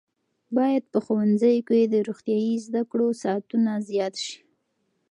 باید په ښوونځیو کې د روغتیايي زده کړو ساعتونه زیات شي.